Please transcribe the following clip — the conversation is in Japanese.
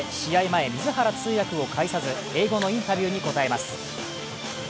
前水原通訳を介さず英語のインタビューに答えます。